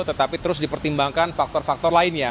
tetapi terus dipertimbangkan faktor faktor lainnya